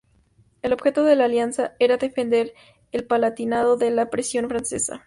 El objetivo de la alianza era defender el Palatinado de la presión francesa.